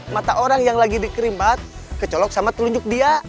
mata orang yang lagi dikerimpat kecolok sama telunjuk dia